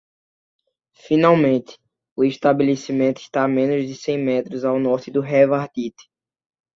Finalmente, o estabelecimento está a menos de cem metros ao norte do Revardit.